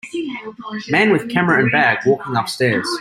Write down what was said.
Man with camera and bag walking up stairs